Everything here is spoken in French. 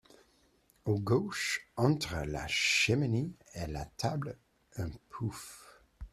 À gauche, entre la cheminée et la table, un pouff.